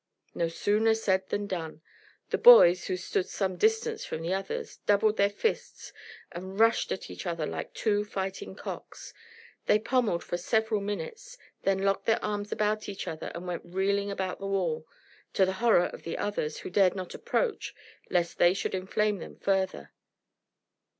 No sooner said than done. The boys, who stood some distance from the others, doubled their fists and rushed at each other like two fighting cocks. They pommelled for several minutes, then locked their arms about each other and went reeling about the wall, to the horror of the others, who dared not approach lest they should inflame them further.